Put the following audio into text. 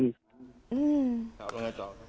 ครับแล้วไงต่อ